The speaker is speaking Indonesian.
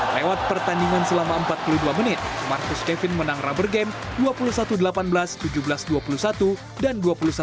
lewat pertandingan selama empat puluh dua menit marcus kevin menang rubber game dua puluh satu delapan belas tujuh belas dua puluh satu dan dua puluh satu sembilan belas